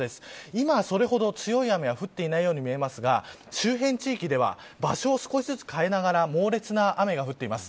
今、それほど強い雨が降っていないように見えますが周辺地域では場所を少しずつ変えながら猛烈な雨が降っています。